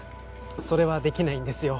それは出来ないんですよ。